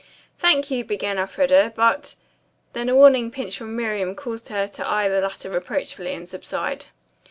"Thank you," began Elfreda, "but " then a warning pinch from Miriam caused her to eye the latter reproachfully and subside.